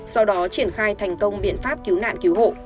sau đó triển khai thành công biện pháp cứu nạn cứu hộ